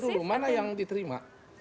dulu mana yang diterima